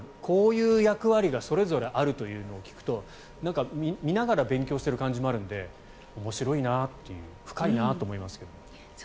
こういう役割がそれぞれあるというのを聞くと見ながら勉強している感じもあるので面白いなっていう深いなと思いますけど。